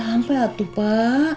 jangan sampai atuh pak